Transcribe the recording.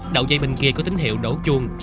đậu dây bên kia có tín hiệu đổ chuông